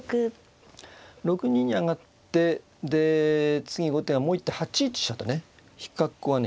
６二に上がってで次後手はもう一手８一飛車とね引く格好はね